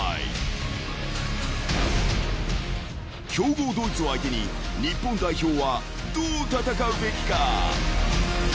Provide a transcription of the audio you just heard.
［強豪ドイツを相手に日本代表はどう戦うべきか！？］